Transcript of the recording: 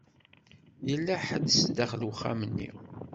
Yella ḥedd sdaxel wexxam-nni.